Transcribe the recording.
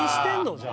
じゃあ。